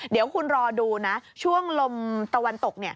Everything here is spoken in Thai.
เดี๋ยวคุณรอดูนะช่วงลมตะวันตก